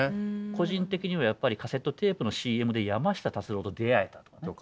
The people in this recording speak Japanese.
個人的にはやっぱりカセットテープのＣＭで山下達郎と出会えたとかね。